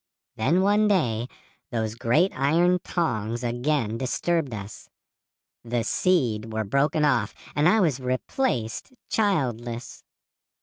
Then one day, those great iron tongs again disturbed us. The 'seed' were broken off and I was replaced childless.